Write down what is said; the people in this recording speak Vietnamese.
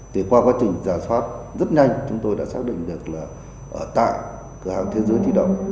thì qua quá trình giả soát rất nhanh chúng tôi đã xác định được là ở tại cửa hàng thế giới thị động